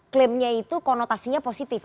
klaimnya itu konotasinya positif